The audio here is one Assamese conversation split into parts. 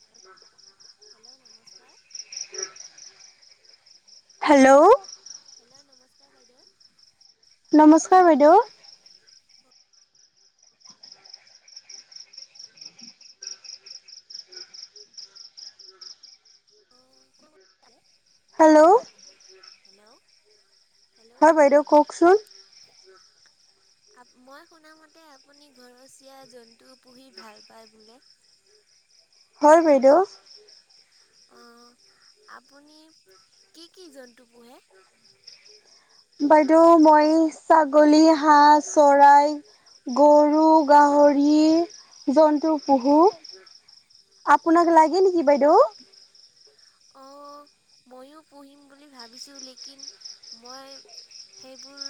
[inaudible] হেল্ল' নমস্কাৰ হেল্ল', হেল্ল' নমস্কাৰ বাইদেউ নমস্কাৰ বাইদেউ। [unintelligible] অ হেল্ল' হেল্ল' হেল্ল' হয়, বাইদেউ কওঁকচোন। আপ মই শুনামতে আপুনি ঘৰচীয়া জন্তু পুহি ভাল পায় বোলে? হয় বাইদেউ। অঁ আপুনি কি কি জন্তু পোহে? বাইদেউ মই ছাগলী, হাঁহ, চৰাই। গৰু, গাহৰি জন্তু পুঁহো। আপোনাক লাগে নেকি বাইদেউ? অঁহ। মইয়ো পঢ়িম বুলি ভাবিছোঁ লেকিন, মই সেইবোৰ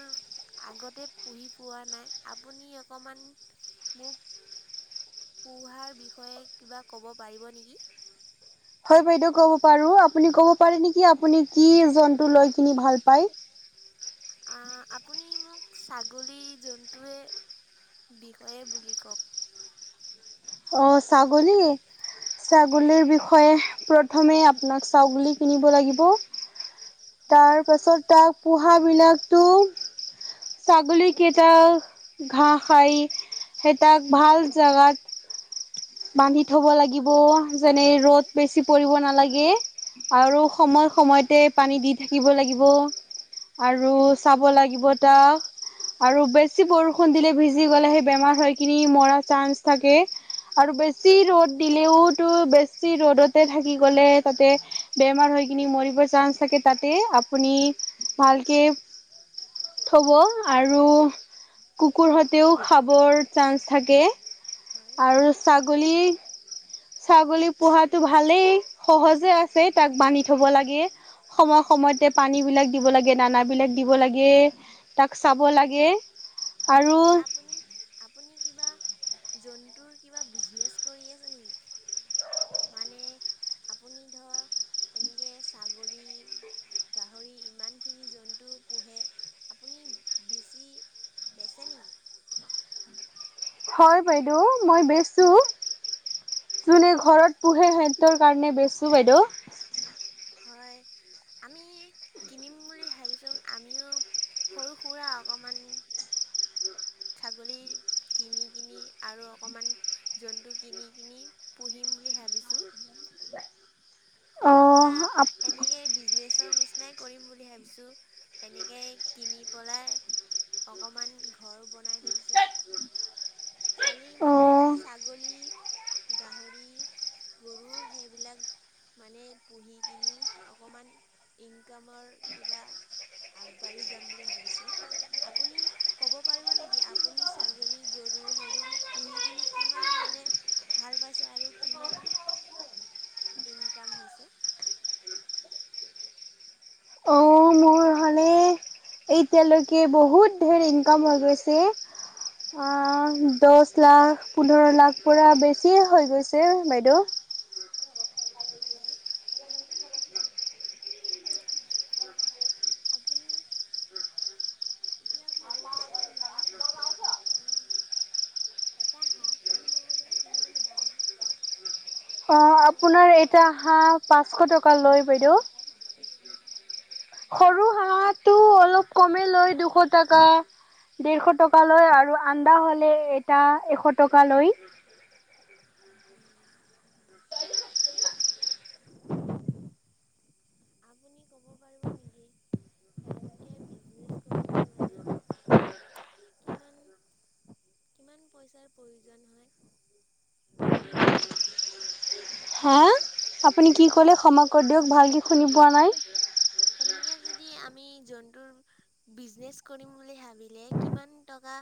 আগতে পঢ়ি পোৱা নাই, আপুনি অকণমান মোক পোঢ়াৰ বিষয়ে কিবা ক'ব পাৰিব নেকি? হয় বাইদেউ ক'ব পাৰো। আপুনি ক'ব পাৰে নিকি আপুনি কি জন্তু লৈ কিনি ভাল পায়? আঁ আপুনি মোক ছাগলী জন্তুৱে বিষয়ে বুলি কও'ক। অঁ ছাগলী। ছাগলী বিষয়ে প্ৰথমে আপোনাক ছাগলী কিনিব লাগিব। হয় তাৰ‌ পাছত তাক পোহা বিলাকতো ছাগলী কেইটাক ঘাঁহ খাই, সেই তাক ভাল জেগাত বান্ধি থব লাগিব। যেনে ৰ'দ হয় বেছি পৰিব নালাগে, আৰু হয় সময় সময়তে পানী দি থাকিব লাগিব। আৰু হয় চাব লাগিব তাক। আৰু বেছি বৰষুণ দিলে ভিজি গ'লে হে বেমাৰ হৈ কিনি মৰা চান্স থাকে। আৰু বেছি ৰ'দ দিলেওতো বেছি ৰ'দতে থাকি গ'লে তাতে বেমাৰ হৈ কিনি মৰিবৰ চান্স থাকে তাতে আপুনি ভালকে থব আৰু কুকুৰ হঁতেও খাবৰ চান্স থাকে, হয় আৰু ছাগলী ছাগলী পোঁহাতো ভালেই সহজে আছে তাক বান্ধি থ'ব লাগে। সময় সময়তে পানী বিলাক দিব লাগে, দানা বিলাক দিব লাগে। তাক চাব লাগে আৰু হয় আপুনি আপুনি কিবা জন্তুৰ কিবা বিজনেছ কৰি আছে নেকি? মানে আপুনি ধৰ এনেকে ছাগলী গাহৰি ইমান খিনি জন্তু পোহে, আপুনি বেছি বেছে নিকি? হয় বাইদেউ, মই বেচো। যোনে অঁ ঘৰত পোঁহে সেঁহত কাৰণে বেচো বাইদেউ। হয়। আমি কিনিম বুলি ভাবিছোঁ, আমিও সৰু সুৰা অকণমান ছাগলীৰ কিনিগিনি আৰু অকণমান জন্তু কিনিগিনি পুঁহিম বুলি ভাবিছোঁ। ব [unintelligible] সৰু সুৰা এনেকেই বিজনেছৰ নিচিনাই কৰিম বুলি ভাবিছোঁ। এনেকেই কিনি পলাই অকণমান ঘৰ বনাই থৈ দিছোঁ। খালী অ মানে ছাগলী, গাহৰি গৰু সেইবিলাক মানে পুহি কিনি অকণমান ইনকামৰ কিবা আগবাঢ়ি যাম বুলি ভাবিছোঁ। আপুনি ক'ব পাৰিব নেক [inaudible] আপুনি ছাগলী, গৰু সেইবোৰ পুহি কিনি কিমান মানে ভাল পাইছে আৰু কিমান, ইনকাম হৈছে। অ' মোৰ হ'লে এতিয়ালৈকে বহুত ধেৰ ইনকাম হৈ গৈছে। অ' দহ লাখ, পোন্ধৰ লাখ পৰা বেছিয়ে হৈ গৈছে বাইদেউ। হয়। আপুনি এতিয়া ক'ব পাৰিব নেকি অ'। এটা হাঁহ কিনিব গ'লে কিমান দাম? অ' আপোনাৰ এটা হাঁহ পাঁচশ টকা লয় বাইদেউ। হয়? সৰু হাঁহটো অলপ কমে লয় দুশ টাকা দেৰশ টকা লয় আৰু আন্দা হ'লে এটা এশ টকা লয়। উম। হয়। আপুনি ক'ব পাৰিব নেকি? এনকে বিজনেছ কৰিলে মানে কিমান, কিমান পইচাৰ প্ৰয়োজন হয়? হা আপুনি কি ক'লে ক্ষমা কৰি দিয়ক ভালকৈ শুনি পোৱা নাই। এনেকে যদি আমি যোনটোৰ বিজনেজ কৰিম বুলি ভাবিলে কিমান টকা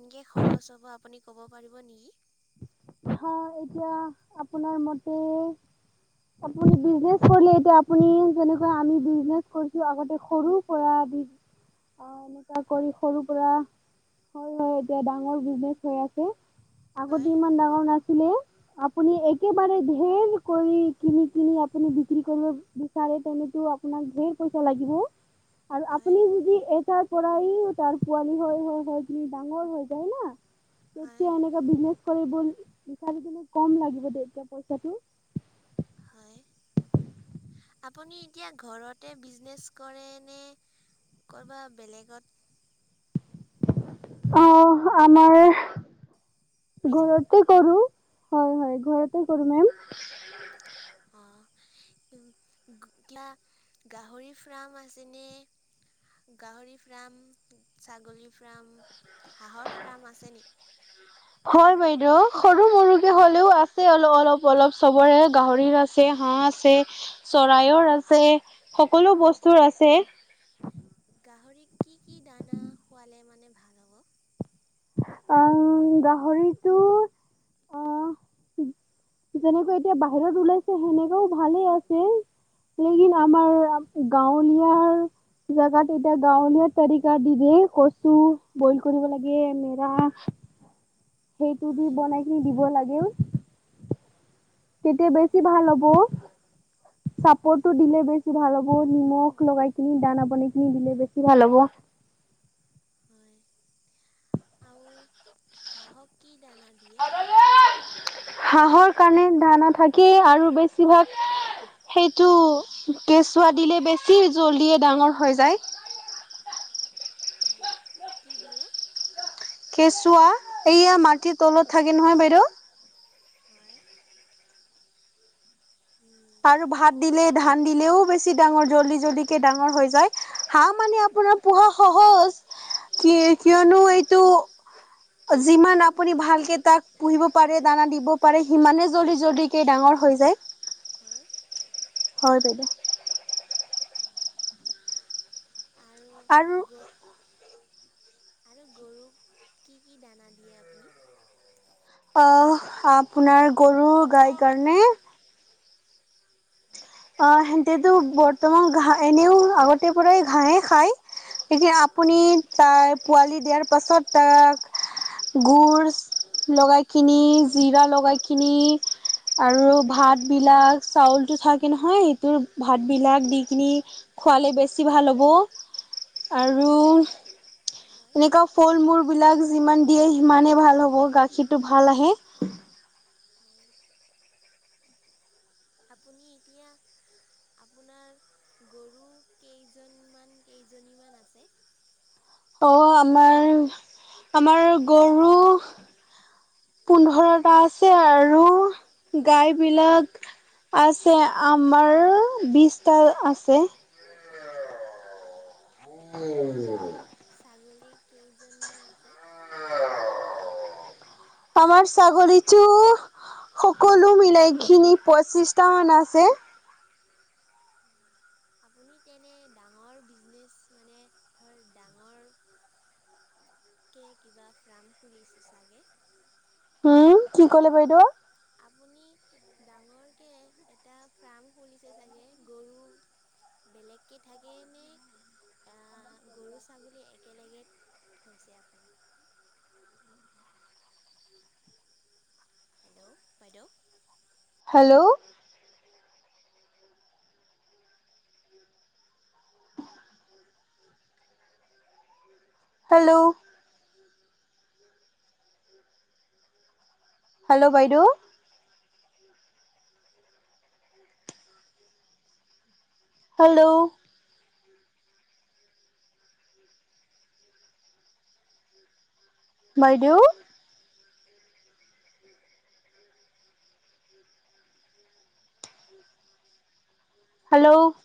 এনকে খৰচ হ'ব আপুনি ক'ব পাৰিব নেকি? অ' এতিয়া আপোনাৰ মতে আপুনি বিজনেজ কৰিলে এতিয়া আপুনি যেনেকৈ আমি বিজনেচ কৰিছোঁ আগতে সৰুৰ পৰা বি [inaudible] অ' এনেকা কৰি সৰু পৰা, হয় হয় এতিয়া ডাঙৰ বিজনেচ হৈ আছে। হয়, আগতে ইমান ডাঙৰ নাছিলোঁ। আপুনি একেবাৰে ধেৰ কৰি কিনি কিনি আপুনি বিক্ৰী কৰিব বি তাৰে [unintelligible] আপোনাক ধেৰ পইচা লাগিব। আৰু আপুনি হয়, যদি এটাৰ পৰাইও তাৰ পোৱালি হয় হয় হয় যদি ডাঙৰ হৈ যায় না তেতিয়া হয়, এনেকা বিজনেচ কৰিব বিচাৰলে কম লাগিব তেতিয়া পইচাটো। হয়। আপুনি এতিয়া ঘৰতে বিজনেছ কৰে নে ক'ৰবাত বেলেগত অ' আমাৰ কৰিছে? ঘৰত [inaudible] কৰোঁ, হয় হয় ঘৰতে কৰোঁ মেম। অ'। [unintelligible] গাহৰি ফাৰ্ম আছে নে? গাহৰি ফাৰ্ম, ছাগলী ফাৰ্ম, হাঁহৰ ফাৰ্ম আছে নি? হয় বাইদেউ সৰু মৰুকে হ'লেও আছে অলপ অলপ অলপ চবৰে গাহৰিৰ আছ আছে হাঁহ আছে, চৰাইৰ আছে সকলো বস্তুৰ আছে। গাহৰিক কি কি দানা খোৱালে মানে ভাল হ'ব? আহ, গাহৰিটো অ'। [inaudible] যেনেকৈ এতিয়া বাহিৰত ওলাইছে সেনেকাও ভালে আছে। লেকিন আমাৰ গাঁৱলীয়াৰ জাগাত এতিয়া গাঁৱলীয়া তাৰিকা দিলে কচু বইল কৰিব লাগে। আহ সেইটো দি হয়, বনাই কিনি দিব লাগে। তেতিয়া বেছি অ', ভাল হ'ব। চাপৰটো উম, দিলে বেছি ভাল হ'ব নিমখ লগাই কিনি দানা বনাই কিনি দিলে বেছি ভাল হ'ব। হয়। আৰু হাঁহক কি দানা [unintelligible] [inaudible] হাঁহৰ কাৰণে দানা থাকেই আৰু বেছিভাগ সেইটো কেঁচুৱা দিলে, বেছি জল্ডিয়ে ডাঙৰ হৈ যায়। হয়। কি দিলে? কেঁচুৱা এইয়া মাটিৰ তলত থাকে নহয় বাইদেউ। হয়। উম। আৰু ভাত দিলে, ধান দিলেও বেছি ডাঙৰ জল্দি, জল্দিকে ডাঙৰ হৈ যায়, হাঁহ মানে আপোনাৰ পোঁহা সহজ, কি কিয়নো এইটো যিমান আপুনি ভালকে তাক পুহিব পাৰে, দানা দিব পাৰে, সিমানেই জল্দি, জল্দিকে ডাঙৰ হৈ যায়। হয়। হয় বাইদেউ। উম। আৰু আৰু গ আৰু গৰুক কি, কি দানা দিয়ে আপুনি? আপোনাৰ গৰু গাই কাৰণে অ', সিহতেতো বৰ্তমান ঘাঁ, এনেও আগতে পৰাই ঘাঁহে খায়। এতিয়া আপুনি তাই, পোৱালি দিয়াৰ পাছত তাক গুৰ লগাই কিনি জিৰা লগাই কিনি আৰু ভাত বিলাক, চাউলটো থাকে সেইটোৰ ভাত বিলাক দি কিনি খোৱালে বেছি ভাল হ'ব। আৰু হয়। এনেকুৱা ফল মূল বিলাক যিমান দিয়ে সিমানে ভাল হ'ব, গাখীৰটো ভাল আহে। হয়। আপুনি এতিয়া আপোনাৰ গৰু কেইজনমান, কেইজনীমান আছে। অ', আমাৰ, আমাৰ গৰু পোন্ধৰটা আছে আৰু গাই বিলাক আছে আমাৰ, বিশটা আছে। উ [unintelligible] ছাগলীৰ কেইজনমান আছে। ‌ আমাৰ ছাগলীটো সকলো মিলাইখিনি পঁচিশটামান আছে। আপুনি তেনে, ডাঙৰ বিজনেছ মানে ধৰ, ডাঙৰ কে কিবা ফাৰ্ম খুলিছে চাগে? হম, কি কলে বাইদেউ? আপুনি ডাঙৰকে এটা ফাৰ্ম খুলিছে চাগে গৰু বেলেগকে থাকে নে আ গৰু ছাগলী একেলগে থৈছে আপুনি? হেল্ল' বাইদেউ। হেল্ল'। [unintelligible] হেল্ল'। হেল্ল' বাইদেউ। হেল্ল'। বাইদেউ। হেল্ল।